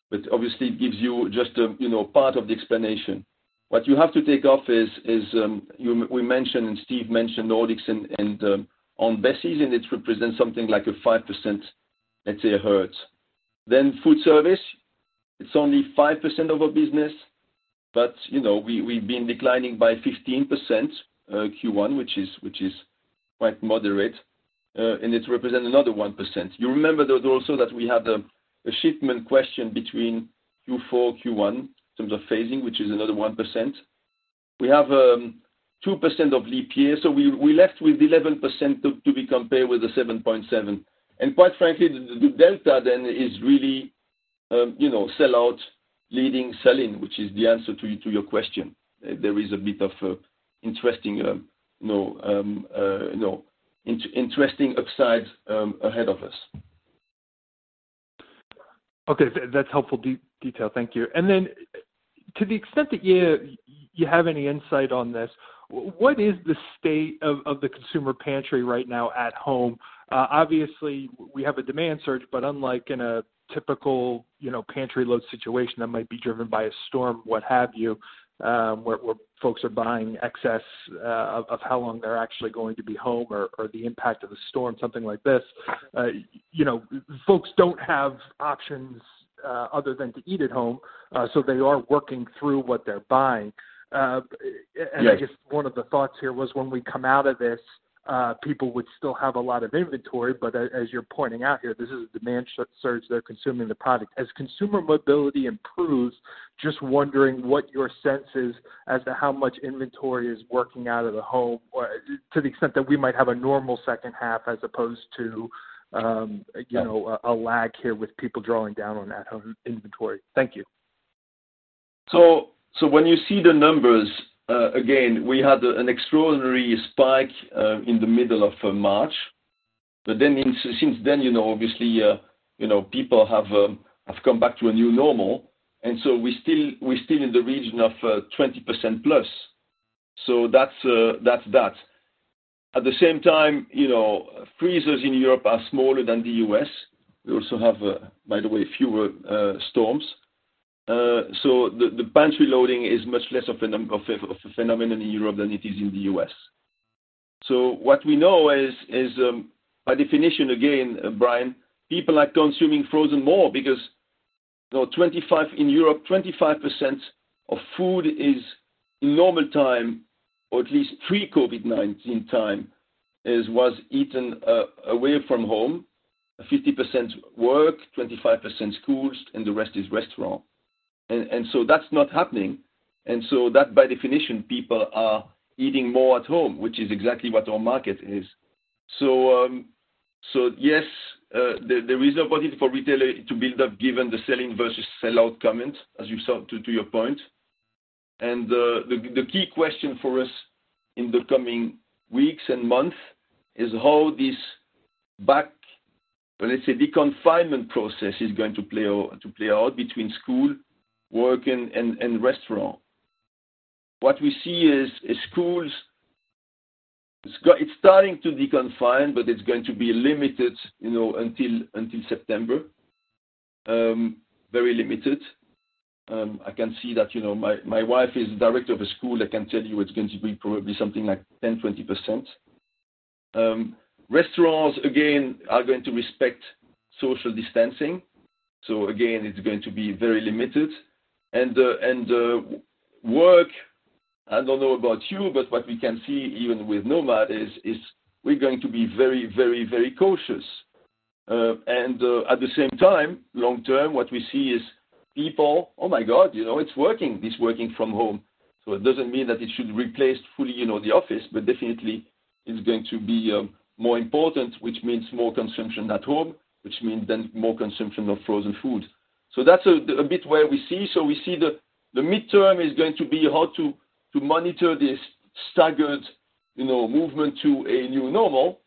Speaker 3: but obviously it gives you just a part of the explanation. What you have to take off is, we mentioned, and Steve mentioned Nordics and Aunt Bessie's, it represents something like a 5%, let's say, a hurt. Food service, it's only 5% of our business, but we've been declining by 15% Q1, which is quite moderate, and it represents another 1%. You remember that also that we had a shipment question between Q4, Q1 in terms of phasing, which is another 1%. We have 2% of [last year], we left with 11% to be compared with the 7.7%. Quite frankly, the delta then is really sellout leading sell-in, which is the answer to your question. There is a bit of interesting upsides ahead of us.
Speaker 10: Okay. That's helpful detail. Thank you. To the extent that you have any insight on this, what is the state of the consumer pantry right now at home? Obviously we have a demand surge, but unlike in a typical pantry load situation that might be driven by a storm, what have you, where folks are buying excess of how long they're actually going to be home or the impact of a storm, something like this. Folks don't have options other than to eat at home, so they are working through what they're buying.
Speaker 3: Yes.
Speaker 10: I guess one of the thoughts here was when we come out of this, people would still have a lot of inventory, but as you're pointing out here, this is a demand surge. They're consuming the product. As consumer mobility improves, just wondering what your sense is as to how much inventory is working out of the home, to the extent that we might have a normal second half as opposed to.
Speaker 3: Yeah.
Speaker 10: A lag here with people drawing down on that home inventory. Thank you.
Speaker 3: When you see the numbers, again, we had an extraordinary spike in the middle of March. Since then, obviously people have come back to a new normal, we're still in the region of 20%+. That's that. At the same time, freezers in Europe are smaller than the U.S. We also have, by the way, fewer storms. The pantry loading is much less of a phenomenon in Europe than it is in the U.S. What we know is, by definition again, Brian, people are consuming frozen more because in Europe, 25% of food is normal time, or at least pre-COVID-19 time, was eaten away from home, 50% work, 25% schools, and the rest is restaurant. That's not happening. That, by definition, people are eating more at home, which is exactly what our market is. Yes, for retailer to build up given the sell-in versus sellout comment, as you saw to your point. The key question for us in the coming weeks and months is how this back, let's say deconfinement process is going to play out between school, work, and restaurant. What we see is schools, it's starting to deconfine, but it's going to be limited until September. Very limited. I can see that my wife is director of a school. I can tell you it's going to be probably something like 10%, 20%. Restaurants, again, are going to respect social distancing. Again, it's going to be very limited. Work, I don't know about you, but what we can see even with Nomad is we're going to be very cautious. At the same time, long term, what we see is people, "Oh my God, it's working, this working from home." It doesn't mean that it should replace fully the office, but definitely it's going to be more important, which means more consumption at home, which means then more consumption of frozen food. That's a bit where we see. We see the midterm is going to be how to monitor this staggered movement to a new normal.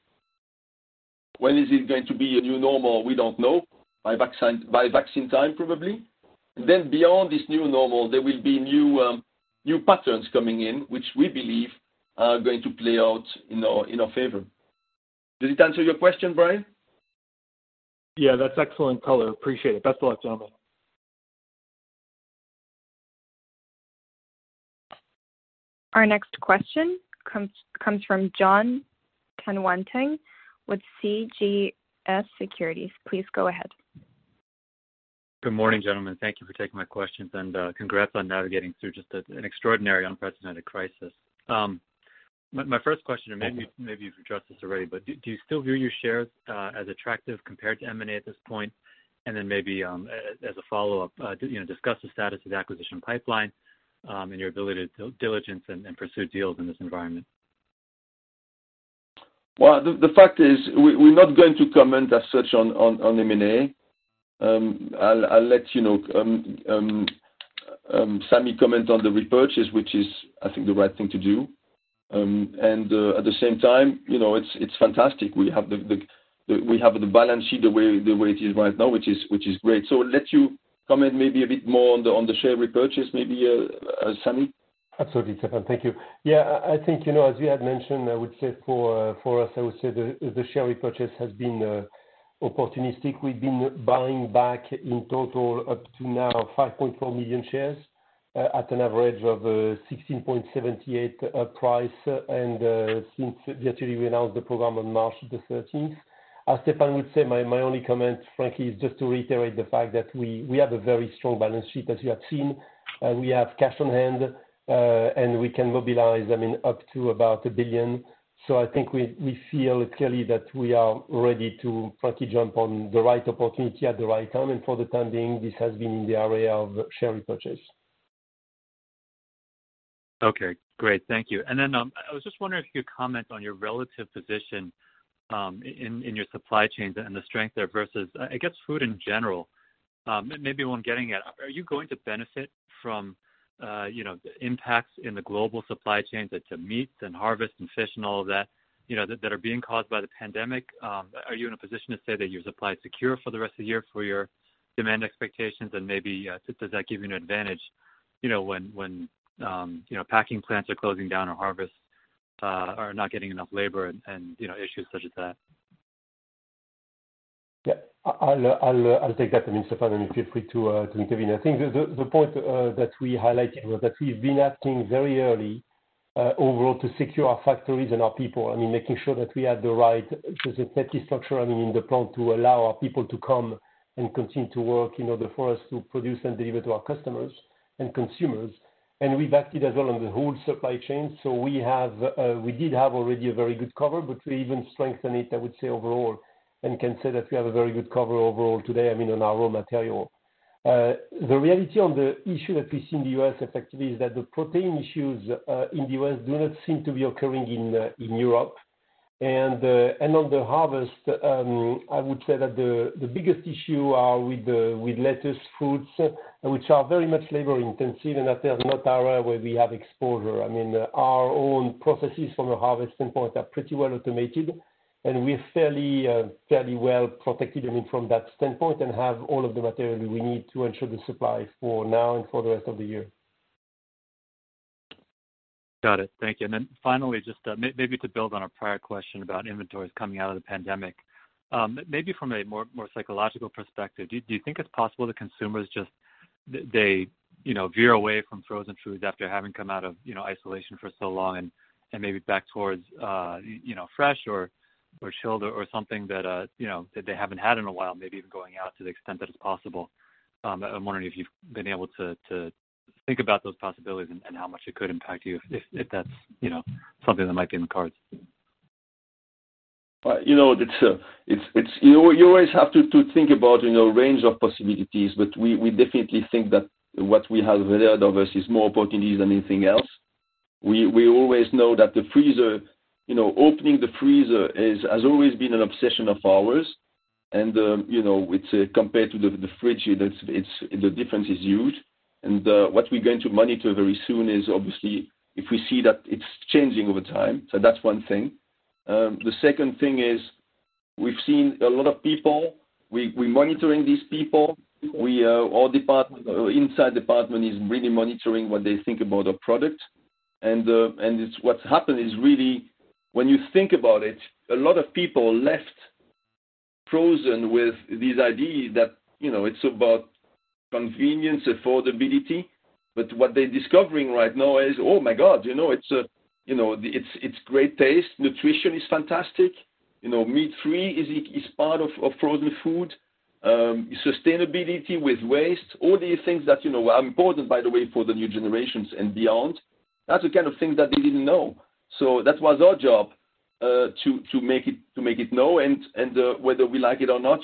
Speaker 3: When is it going to be a new normal? We don't know. By vaccine time, probably. Beyond this new normal, there will be new patterns coming in, which we believe are going to play out in our favor. Does it answer your question, Brian?
Speaker 10: Yeah, that's excellent color. Appreciate it. Best of luck, Stéfan.
Speaker 1: Our next question comes from Jon Tanwanteng with CJS Securities. Please go ahead.
Speaker 11: Good morning, gentlemen. Thank you for taking my questions. Congrats on navigating through just an extraordinary, unprecedented crisis. My first question. Maybe you've addressed this already, do you still view your shares as attractive compared to M&A at this point? Maybe as a follow-up, discuss the status of the acquisition pipeline and your ability to diligence and pursue deals in this environment.
Speaker 3: Well, the fact is, we're not going to comment as such on M&A. I'll let Samy comment on the repurchase, which is, I think, the right thing to do. At the same time, it's fantastic. We have the balance sheet the way it is right now, which is great. I'll let you comment maybe a bit more on the share repurchase, maybe, Samy.
Speaker 4: Absolutely, Stéfan. Thank you. I think, as we had mentioned, I would say for us, I would say the share repurchase has been opportunistic. We've been buying back, in total up to now, 5.4 million shares at an average of 16.78 price since we actually announced the program on March the 13th. As Stéfan would say, my only comment, frankly, is just to reiterate the fact that we have a very strong balance sheet, as you have seen. We have cash on hand, and we can mobilize up to about 1 billion. I think we feel clearly that we are ready to frankly jump on the right opportunity at the right time, and for the time being, this has been in the area of share repurchase.
Speaker 11: Okay, great. Thank you. I was just wondering if you could comment on your relative position in your supply chains and the strength there versus, I guess, food in general. Are you going to benefit from the impacts in the global supply chains to meat and harvest and fish and all of that are being caused by the Pandemic? Are you in a position to say that your supply is secure for the rest of the year for your demand expectations? Maybe does that give you an advantage when packing plants are closing down or harvests are not getting enough labor and issues such as that?
Speaker 4: Yeah. I'll take that, Stéfan, feel free to intervene. I think the point that we highlighted was that we've been acting very early overall to secure our factories and our people. I mean, making sure that we had the right physical infrastructure in the plant to allow our people to come and continue to work, for us to produce and deliver to our customers and consumers. We've acted as well on the whole supply chain. We did have already a very good cover, but we even strengthened it, I would say, overall, and can say that we have a very good cover overall today, I mean, on our raw material. The reality on the issue that we see in the U.S. effectively is that the protein issues in the U.S. do not seem to be occurring in Europe. On the harvest, I would say that the biggest issue are with lettuce, fruits, which are very much labor-intensive, and that is not our area where we have exposure. I mean, our own processes from a harvest standpoint are pretty well automated, and we're fairly well protected from that standpoint and have all of the material we need to ensure the supply for now and for the rest of the year.
Speaker 11: Got it. Thank you. Finally, just maybe to build on a prior question about inventories coming out of the pandemic. Maybe from a more psychological perspective, do you think it's possible that consumers just veer away from frozen foods after having come out of isolation for so long and maybe back towards fresh or chilled or something that they haven't had in a while? Maybe even going out to the extent that it's possible. I'm wondering if you've been able to think about those possibilities and how much it could impact you if that's something that might be in the cards?
Speaker 3: You always have to think about range of possibilities, but we definitely think that what we have ahead of us is more opportunities than anything else. We always know that the freezer, opening the freezer has always been an obsession of ours. Compared to the fridge, the difference is huge. What we're going to monitor very soon is obviously if we see that it's changing over time. That's one thing. The second thing is we've seen a lot of people, we're monitoring these people. Inside department is really monitoring what they think about our product. What's happened is really when you think about it, a lot of people left frozen with this idea that it's about convenience, affordability. What they're discovering right now is, "Oh my God, it's great taste. Nutrition is fantastic. Meat-free is part of frozen food. Sustainability with waste." All these things that are important, by the way, for the new generations and beyond. That's the kind of thing that they didn't know. That was our job, to make it known, and whether we like it or not,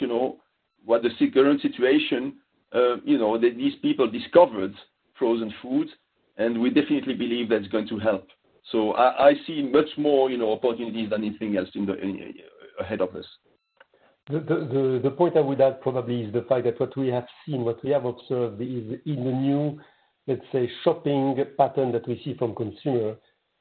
Speaker 3: with the current situation, these people discovered frozen food, and we definitely believe that's going to help. I see much more opportunities than anything else ahead of us.
Speaker 4: The point I would add probably is the fact that what we have seen, what we have observed is in the new, let's say, shopping pattern that we see from consumer,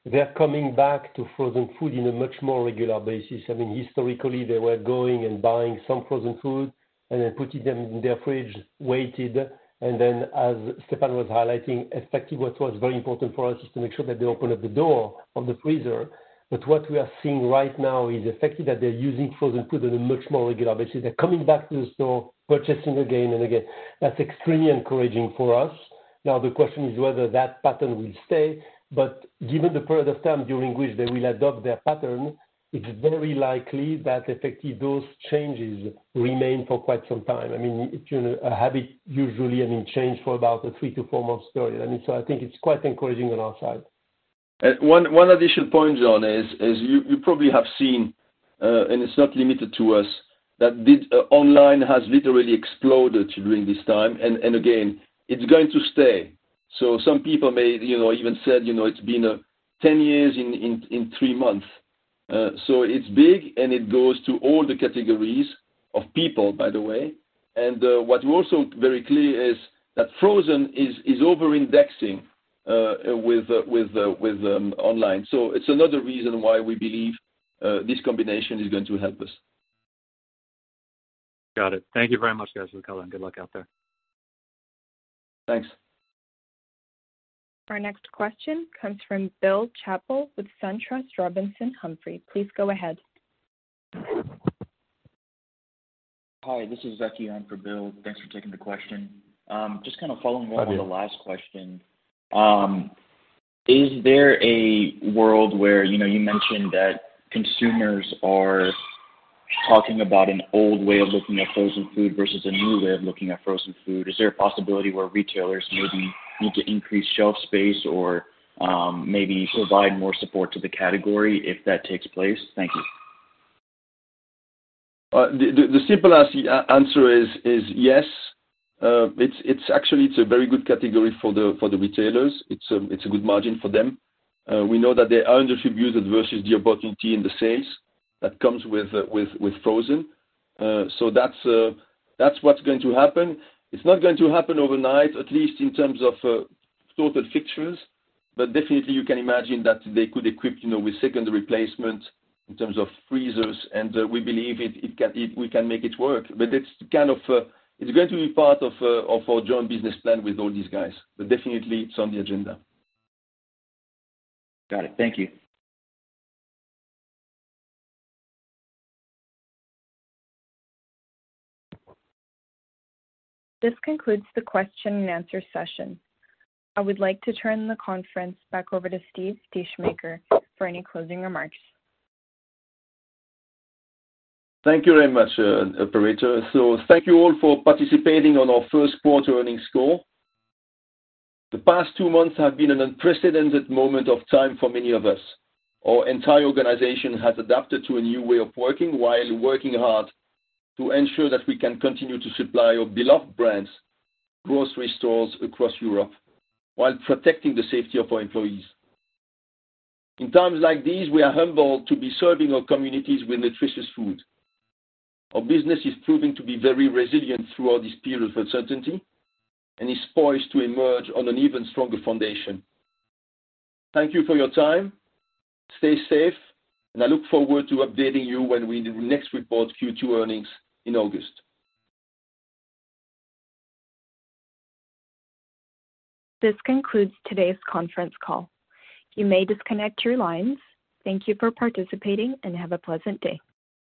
Speaker 4: they're coming back to frozen food in a much more regular basis. I mean, historically, they were going and buying some frozen food, and then putting them in their fridge, waited, and then as Stéfan was highlighting, effectively what was very important for us is to make sure that they open up the door of the freezer. What we are seeing right now is effectively that they're using frozen food on a much more regular basis. They're coming back to the store, purchasing again and again. That's extremely encouraging for us. The question is whether that pattern will stay, but given the period of time during which they will adopt their pattern, it's very likely that effectively those changes remain for quite some time. A habit usually change for about a three-to-four-month story. I think it's quite encouraging on our side.
Speaker 3: One additional point, Jon, is you probably have seen, and it's not limited to us, that online has literally exploded during this time, and again, it's going to stay. Some people even said it's been 10 years in three months. It's big, and it goes to all the categories of people, by the way. What's also very clear is that frozen is over-indexing with online. It's another reason why we believe this combination is going to help us.
Speaker 11: Got it. Thank you very much, guys, for the color, and good luck out there.
Speaker 3: Thanks.
Speaker 1: Our next question comes from Bill Chappell with SunTrust Robinson Humphrey. Please go ahead.
Speaker 12: Hi, this is Zeki on for Bill. Thanks for taking the question. Just kind of following up on the last question. Is there a world where, you mentioned that consumers are talking about an old way of looking at frozen food versus a new way of looking at frozen food? Is there a possibility where retailers maybe need to increase shelf space or maybe provide more support to the category if that takes place? Thank you.
Speaker 3: The simple answer is yes. Actually, it's a very good category for the retailers. It's a good margin for them. We know that they under-distribute it versus the opportunity and the sales that comes with frozen. That's what's going to happen. It's not going to happen overnight, at least in terms of total fixtures, but definitely you can imagine that they could equip with secondary placements in terms of freezers, and we believe we can make it work. It's going to be part of our joint business plan with all these guys. Definitely it's on the agenda.
Speaker 12: Got it. Thank you.
Speaker 1: This concludes the question and answer session. I would like to turn the conference back over to Stéfan Descheemaeker for any closing remarks.
Speaker 3: Thank you very much, operator. Thank you all for participating on our first quarter earnings call. The past two months have been an unprecedented moment of time for many of us. Our entire organization has adapted to a new way of working while working hard to ensure that we can continue to supply our beloved brands, grocery stores across Europe, while protecting the safety of our employees. In times like these, we are humbled to be serving our communities with nutritious food. Our business is proving to be very resilient throughout this period of uncertainty and is poised to emerge on an even stronger foundation. Thank you for your time, stay safe, and I look forward to updating you when we next report Q2 earnings in August.
Speaker 1: This concludes today's conference call. You may disconnect your lines. Thank you for participating and have a pleasant day.